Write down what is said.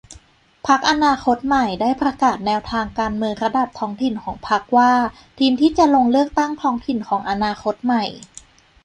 พรรคอนาคตใหม่ได้ประกาศแนวทางการเมืองระดับท้องถิ่นของพรรคว่า ทีมที่จะลงเลือกตั้งท้องถิ่น ของอนาคตใหม่